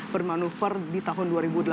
bermanuver di tahun dua ribu delapan belas